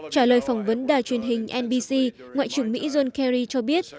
trả lời phỏng vấn đài truyền hình nbc ngoại trưởng mỹ john kerry cho biết